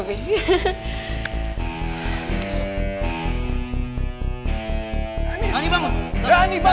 kamu semua ingat kepala humana